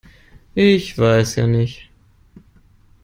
Ich weiß ja nicht.